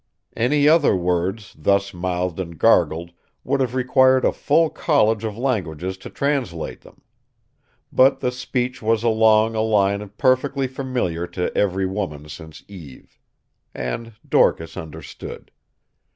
Any other words, thus mouthed and gargled, would have required a full college of languages to translate them. But the speech was along a line perfectly familiar to every woman since Eve. And Dorcas understood.